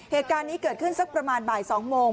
เหตุการณ์นี้เกิดขึ้นสักประมาณบ่าย๒โมง